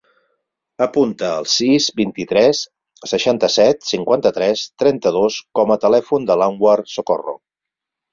Apunta el sis, vint-i-tres, seixanta-set, cinquanta-tres, trenta-dos com a telèfon de l'Anwar Socorro.